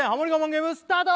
ゲームスタート